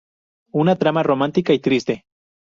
Una trama romántica y triste.